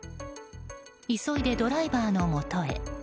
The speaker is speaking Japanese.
急いでドライバーのもとへ。